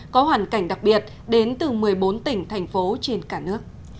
có hoàn cảnh đặc biệt đến từ một mươi bốn tỉnh thành phố trên cả nước